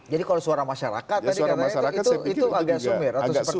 jadi kalau suara masyarakat tadi itu agak sumir atau seperti apa